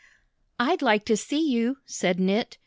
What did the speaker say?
"I'd like to see you!" said Knit.